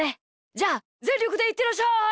じゃあぜんりょくでいってらっしゃい！